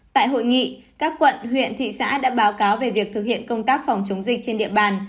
tại hội nghị các quận huyện thị xã đã báo cáo về việc thực hiện công tác phòng chống dịch trên địa bàn